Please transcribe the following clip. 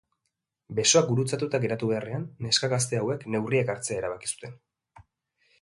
Besoak gurutzatuta geratu beharrean, neska gazte hauek neurriak hartzea erabaki zuten.